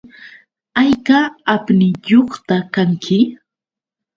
¿Hayka apniyuqta kanki?